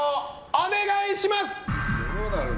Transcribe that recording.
お願いします。